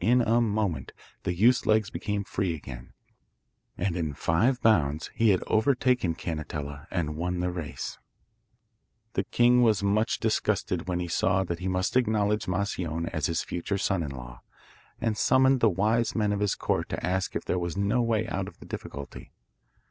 In a moment the youth's legs became free again, and in five bounds he had overtaken Canetella and won the race. The king was much disgusted when he saw that he must acknowledge Moscione as his future son in law, and summoned the wise men of his court to ask if there was no way out of the difficulty.